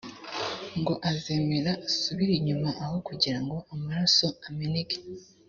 ngo azemera asubire inyuma aho kugirango amaraso ameneke